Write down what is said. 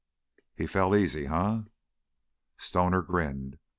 "He fell easy, eh?" Stoner grinned.